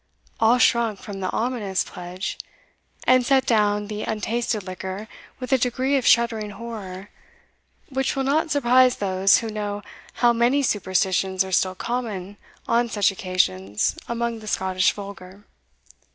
All shrunk from the ominous pledge, and set down the untasted liquor with a degree of shuddering horror, which will not surprise those who know how many superstitions are still common on such occasions among the Scottish vulgar.